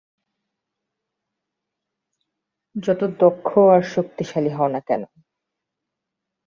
যত দক্ষ আর শক্তিশালী হও না কেনো।